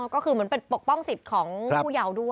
ก็คือเหมือนเป็นปกป้องสิทธิ์ของผู้เยาว์ด้วย